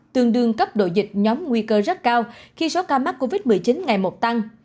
tương đương cấp độ dịch nhóm nguy cơ rất cao khi số ca mắc covid một mươi chín ngày một tăng